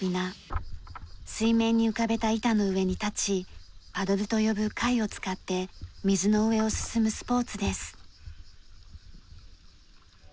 水面に浮かべた板の上に立ちパドルと呼ぶ櫂を使って水の上を進むスポーツです。